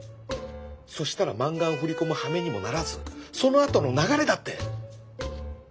そしたら満貫振り込むはめにもならずそのあとの流れだって！